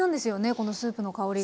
このスープの香りが。